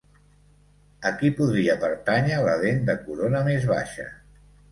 A qui podria pertànyer la dent de corona més baixa?